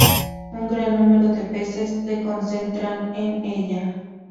Un gran número de peces se concentran en ella.